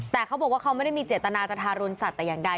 แต่เขาบอกว่าเขาไม่ได้มีเจตนาจะทารุณสัตว์แต่อย่างใด